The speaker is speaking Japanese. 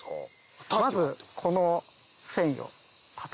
まずこの繊維を。